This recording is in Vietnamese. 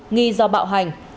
nghi do bạo hành